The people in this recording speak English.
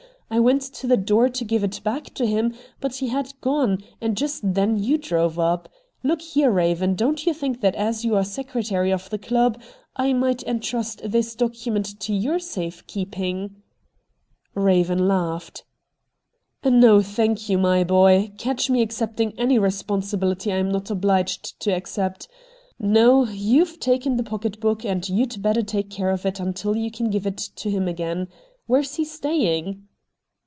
I went to the door to give it back to him, but he had gone, and just then you drove up. Look here, Eaven, don't you think that as you are secretary of the club I might entrust this document to your safe keeping .^' Eaven laughed. 'No, thank you, my boy. Catch me accepting any responsibihty I am not obHged IN THE DOORWAY 93 to accept. No, you've taken the pocket book and you'd better take care of it until you can give it to him again. Where's he stapng